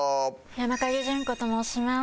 山陰順子と申します。